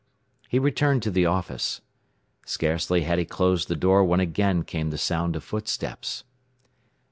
He returned to the office. Scarcely had he closed the door when again came the sound of footsteps.